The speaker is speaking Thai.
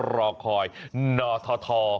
รอคอยหน่อทอทอ